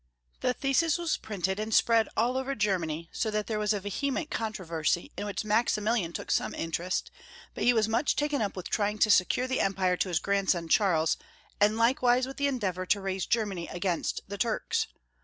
The thesis was printed, and spread all over Germany, so that there was a vehement controversy, in wliich Maximilian took some interest, but he was much taken up with trying to secure the Empire to his grandson Charles, and likewise with the endeavor to raise Germany against the Turks.